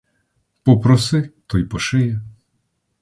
Попроси, то й пошиє.